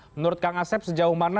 menurut kang asep sejauh mana